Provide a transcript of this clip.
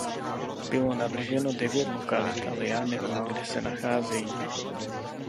Bylo navrženo devět lokalit, ale já nevím, kde se nacházejí.